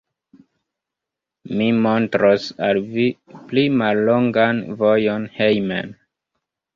Mi montros al vi pli mallongan vojon hejmen.